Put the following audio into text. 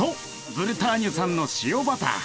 ブルターニュ産の塩バター。